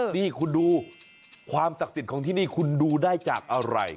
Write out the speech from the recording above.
นี่คุณดูความศักดิ์สิทธิ์ของที่นี่คุณดูได้จากอะไร